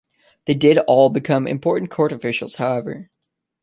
They did all become important court officials, however.